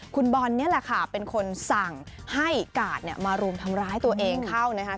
คุณบอลนี่แหละค่ะเป็นคนสั่งให้กาดมารุมทำร้ายตัวเองเข้านะคะ